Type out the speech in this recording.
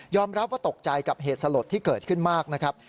รับว่าตกใจกับเหตุสลดที่เกิดขึ้นมากนะครับ